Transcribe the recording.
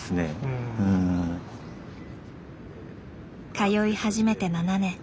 通い始めて７年。